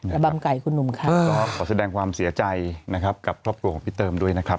ระบำไก่คุณหนุ่มค่ะก็ขอแสดงความเสียใจนะครับกับครอบครัวของพี่เติมด้วยนะครับ